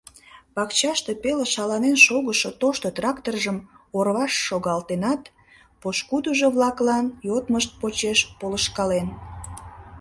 Пакчаште пеле шаланен шогышо тошто тракторжым ораваш шогалтенат, пошкудыжо-влаклан йодмышт почеш полышкален.